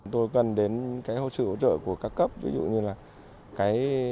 tôi cần đến sự hỗ trợ của các cấp ví dụ như là